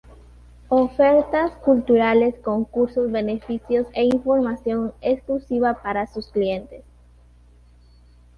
Ofertas culturales concursos, beneficios e información exclusiva para sus clientes.